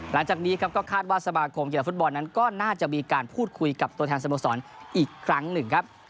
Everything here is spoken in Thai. หลังจากนี้ครับก็คาดว่าสมาคมกีฬาฟุตบอลนั้นก็น่าจะมีการพูดคุยกับตัวแทนสโมสรอีกครั้งหนึ่งครับ